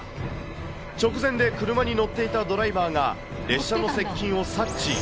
直前で車に乗っていたドライバーが列車の接近を察知。